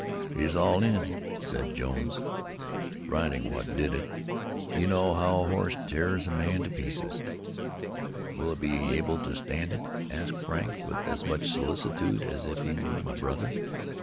"He's all in," said Jones. "Riding's what did it You know how a horse tears a man to pieces." "Will he be able to stand it?" asked Frank, with as much solicitude as if he were my brother.